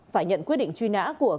phải nhận quyết định truy nã của